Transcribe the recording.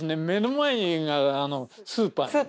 目の前がスーパー。